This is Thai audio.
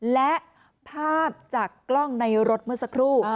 และภาพจากกล้องในรถเมื่อสักครู่